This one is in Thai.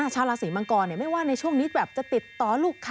ชาวราศีมังกรไม่ว่าในช่วงนี้แบบจะติดต่อลูกค้า